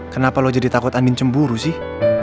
kenapa lo jadi takut angin cemburu sih